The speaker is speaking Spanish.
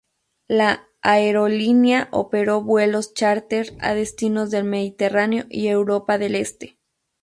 La aerolínea operó vuelos chárter a destinos del Mediterráneo y Europa del Este.